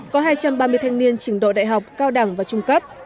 có hai trăm ba mươi thanh niên trình độ đại học cao đẳng và trung cấp